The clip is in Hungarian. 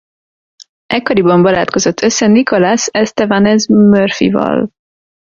Ekkoriban barátkozott össze Nicolas Estevanez Murphyval.